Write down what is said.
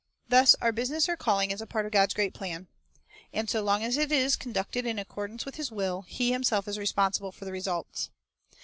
Thus our business or calling is a part of God's great plan, and, so long as it is conducted in accordance with His will, He Himself is responsible for the results.